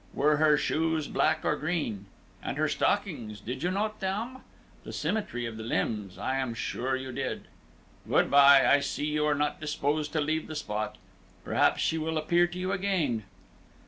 Were her shoes black or green? And her stockings did you note them? The symmetry of the limbs, I am sure you did! Good bye; I see you are not disposed to leave the spot. Perhaps she will appear to you again."